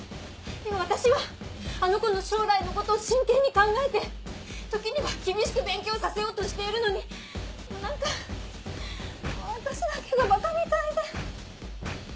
私はあの子の将来のことを真剣に考えて時には厳しく勉強させようとしているのに何か私だけがバカみたいで。